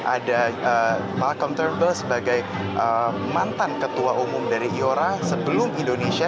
ada malkom turble sebagai mantan ketua umum dari iora sebelum indonesia